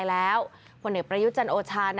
และความสุขของคุณค่ะ